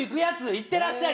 行ってらっしゃい！